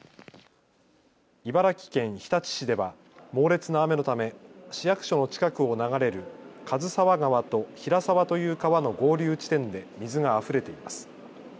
茨城県日立市では猛烈な雨のため市役所の近くを流れる数沢川と平沢という川の合流地点で水があふれています。